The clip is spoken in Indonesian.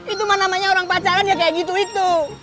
itu mana namanya orang pacaran ya kayak gitu itu